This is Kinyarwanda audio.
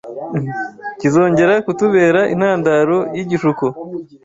kizongera kutubera intandaro y’igishuko